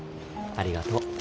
ありがとう。